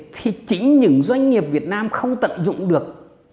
thì chính những doanh nghiệp việt nam không tận dụng được